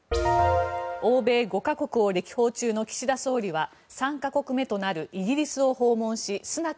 欧米５か国を歴訪中の岸田総理は３か国目となるイギリスを訪問しスナク